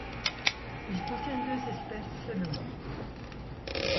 Il contient deux espèces seulement.